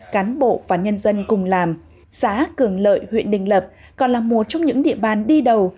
cán bộ và nhân dân cùng làm xã cường lợi huyện đình lập còn là một trong những địa bàn đi đầu